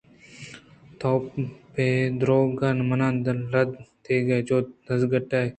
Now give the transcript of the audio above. تو پہ درٛوگ منا رد دیگ ءِ جہد ءَ دزگٹّے